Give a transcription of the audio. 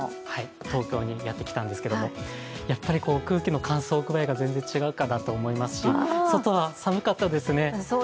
東京にやってきたんですけれども、空気の乾燥具合が全然違うかなと思いますし外は寒かったですね。